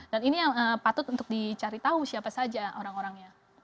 dan ini yang patut untuk dicari tahu siapa saja orang orangnya